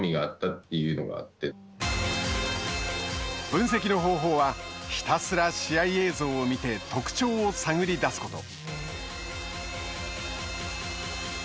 分析の方法はひたすら試合映像を見て特徴を探り出すこと。